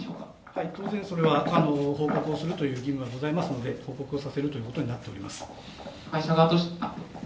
はい、当然これは報告する義務がありますので報告させるということになっております。